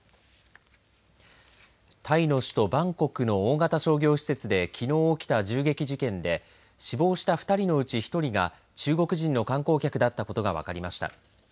タイの首都バンコクの大型商業施設で起きた銃撃事件で死亡した２人のうち１人が中国人の観光客だったことが分かりました。